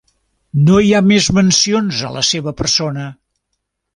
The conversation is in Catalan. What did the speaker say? No hi ha més mencions a la seva persona.